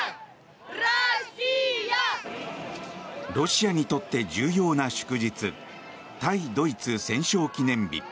ロシアにとって重要な祝日対ドイツ戦勝記念日。